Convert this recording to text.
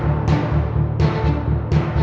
ร้องได้ให้ร้อง